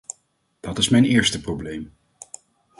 Dat is mijn eerste probleem.